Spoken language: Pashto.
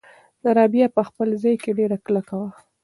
رابعه په خپل ځای کې ډېره کلکه وه.